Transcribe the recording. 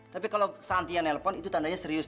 tapi kalau santi yang nelpon itu tandanya serius